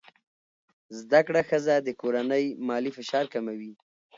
زده کړه ښځه د کورنۍ مالي فشار کموي.